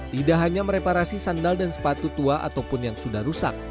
tidak hanya mereparasi sandal dan sepatu tua ataupun yang sudah rusak